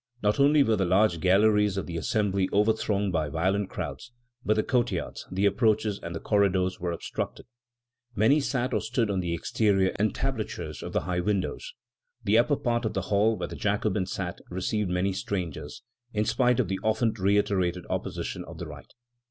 Not only were the large galleries of the Assembly overthronged by violent crowds, but the courtyards, the approaches, and the corridors were obstructed. Many sat or stood on the exterior entablatures of the high windows. The upper part of the hall, where the Jacobins sat, received many strangers, in spite of the often reiterated opposition of the right.